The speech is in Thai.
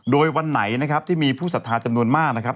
โดยวันไหนนะครับที่มีผู้สัทธาจำนวนมากนะครับ